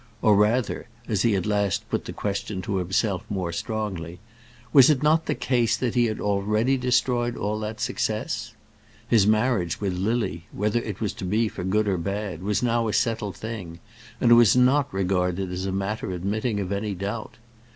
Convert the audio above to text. or rather, as he at last put the question to himself more strongly, was it not the case that he had already destroyed all that success? His marriage with Lily, whether it was to be for good or bad, was now a settled thing, and was not regarded as a matter admitting of any doubt.